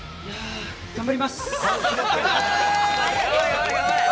頑張ります。